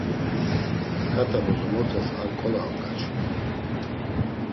Ǩat̆a bozomotas ar nǩola oǩaçun.